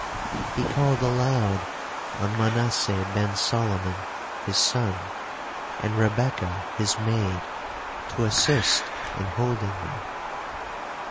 He called aloud on Manasseh ben Solomon his son, and Rebekah his maid, to assist in holding me.